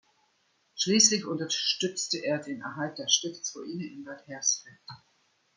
Schließlich unterstützte er den Erhalt der Stiftsruine in Bad Hersfeld.